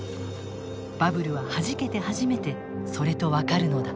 バブルははじけて初めてそれと分かるのだ。